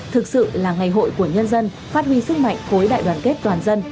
thực sự là ngày hội của nhân dân phát huy sức mạnh khối đại đoàn kết toàn dân